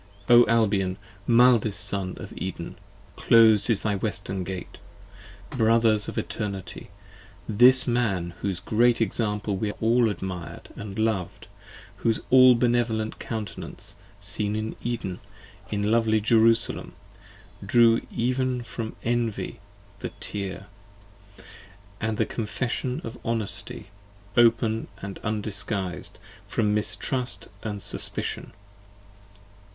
O Albion, mildest Son of Eden! clos'd is thy Western Gate. Brothers of Eternity: this Man whose great example 5 We all admir'd & lov'd, whose all benevolent countenance, seen In Eden, in lovely Jerusalem, drew even from envy The tear: and the confession of honesty, open & undisguis'd, From mistrust and suspition.